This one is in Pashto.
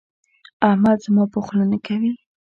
احمد زما په خوله نه کوي.